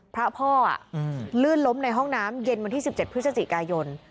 พระพ่ออ่ะอืมลื่นล้มในห้องน้ำเย็นวันที่สิบเจ็ดพฤศจิกายน